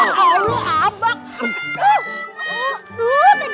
ya allah abang